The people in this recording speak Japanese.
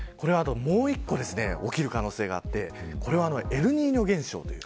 もう一個起きる可能性があってエルニーニョ現象です。